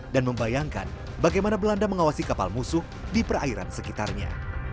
dan membayangkan bagaimana belanda mengawasi kapal musuh di perairan sekitarnya